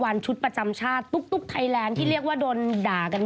เขาบอกเป็นพ่อน้องแน็ตนุ่มสิงห์บูริวัย๔๒เนี่ยเขาอ้าง